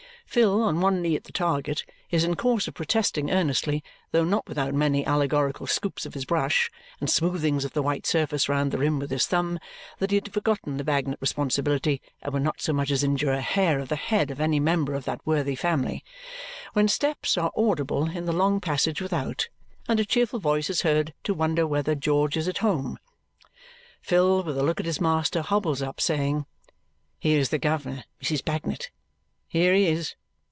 Phil, on one knee at the target, is in course of protesting earnestly, though not without many allegorical scoops of his brush and smoothings of the white surface round the rim with his thumb, that he had forgotten the Bagnet responsibility and would not so much as injure a hair of the head of any member of that worthy family when steps are audible in the long passage without, and a cheerful voice is heard to wonder whether George is at home. Phil, with a look at his master, hobbles up, saying, "Here's the guv'ner, Mrs. Bagnet! Here he is!"